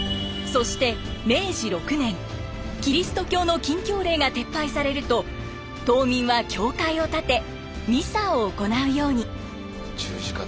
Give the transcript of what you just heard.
そして明治６年キリスト教の禁教令が撤廃されると島民は教会を建てミサを行うように。